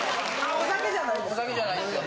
お酒じゃないですよ。